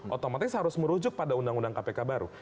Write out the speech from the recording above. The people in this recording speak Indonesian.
otomatis harus merujuk pada undang undang kpk baru